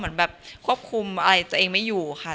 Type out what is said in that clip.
แล้วควบคุมอะไรตัวเองไม่อยู่ค่ะ